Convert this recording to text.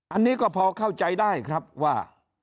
อันนี้ก็พอเข้าใจได้ครับว่า